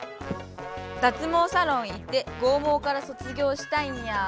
脱毛サロン行って剛毛から卒業したいニャー。